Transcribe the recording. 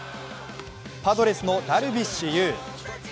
パドレスのダルビッシュ有。